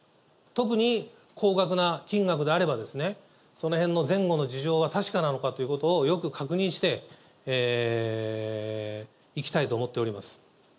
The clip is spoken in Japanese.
特に高額な金額であれば、そのへんの前後の事情が確かなのかということをよく確認して、いきたいと思っております。